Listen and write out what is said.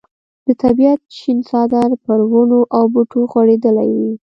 د طبیعت شین څادر پر ونو او بوټو غوړېدلی وي.